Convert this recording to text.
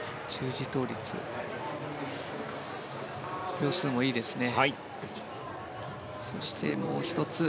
秒数もいいですね。